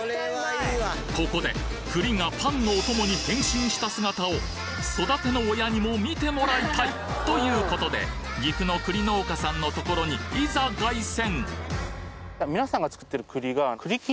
ここで栗がパンのお供に変身した姿を育ての親にも見てもらいたいということで岐阜の栗農家さんのところにいざ凱旋！